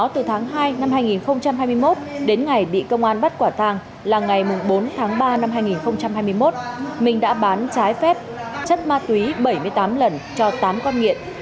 từ tháng hai năm hai nghìn hai mươi một đến ngày bị công an bắt quả tàng là ngày bốn tháng ba năm hai nghìn hai mươi một minh đã bán trái phép chất ma túy bảy mươi tám lần cho tám con nghiện